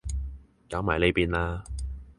搞埋呢邊啦